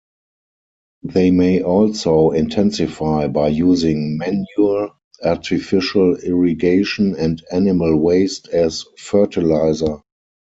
They may also intensify by using manure, artificial irrigation and animal waste as fertilizer.